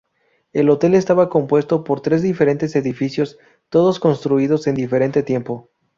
El hotel estaba compuesto por tres diferentes edificios, todos construidos en diferente tiempo.